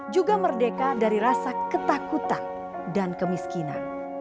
juga merdeka dari rasa ketakutan dan kemiskinan